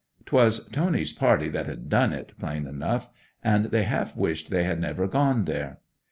'Twas Tony's party that had done it, plain enough, and they half wished they had never gone there.